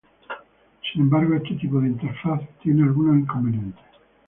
Sin embargo, este tipo de interfaz tiene algunos inconvenientes.